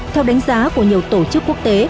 theo đánh giá của nhiều tổ chức quốc tế